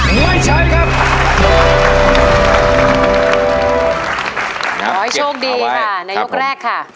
โอ้ยโชคดีค่ะในยกแรกค่ะ